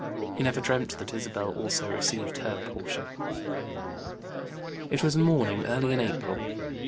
He never dreamt that Isabel also received her portion. It was a morning early in April.